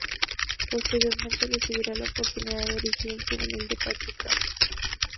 Posteriormente, recibirá la oportunidad de dirigir el juvenil de Pachuca.